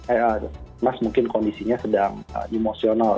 eh ah mas mungkin kondisinya sedang emosional ya